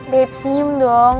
babe senyum dong